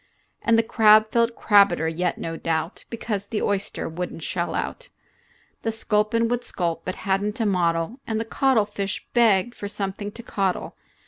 And the crab felt crabedder yet no doubt, Because the oyster would n't shell out. The sculpin would sculp, but had n't a model, And the coddlefish begged for something to coddle.